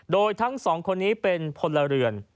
โดยทั้ง๒คนนี้เป็นคนละเรือน